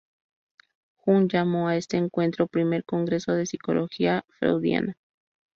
Jung llamó a este encuentro "Primer Congreso de Psicología Freudiana".